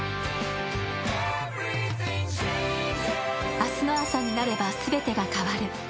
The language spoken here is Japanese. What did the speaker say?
明日の朝になれば全てが変わる。